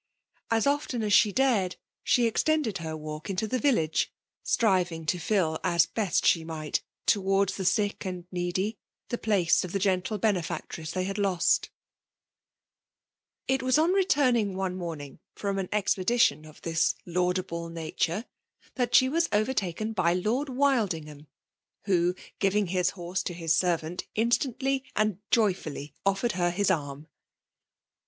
As often aM she dared^ she extended her W3aik into the village ; striving to fill, as best she might, towards the sick and needy, the place of the gentle benefactress they had lost ■^ It was on returning one morning from an eicpiedition of this laudable nature that she was overtaken by Lord Wildingham; who, i3 17B ?EMALB DOMIKATIOH. giving Lis horse to his serranty instantly and joyfully offered her his arm.